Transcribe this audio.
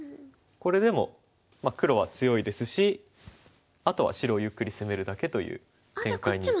これでも黒は強いですしあとは白をゆっくり攻めるだけという展開に。